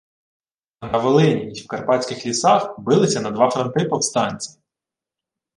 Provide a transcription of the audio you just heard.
А на Волині й в карпатських лісах билися на два фронти повстанці.